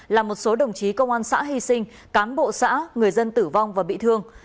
làm một số đồng chí công an xã hy sinh cán bộ xã người dân tử vong và bị thương